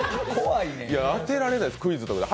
当てられないです、クイズで。